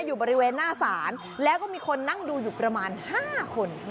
อยู่บริเวณหน้าศาลแล้วก็มีคนนั่งดูอยู่ประมาณ๕คน